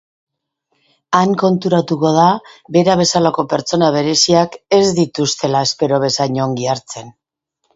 Han konturatuko da bera bezalako pertsona bereziak ez dituztela espero bezain ongi hartzen.